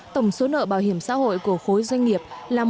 tổng số nợ bảo hiểm xã hội của khối doanh nghiệp là một hai trăm bốn mươi ba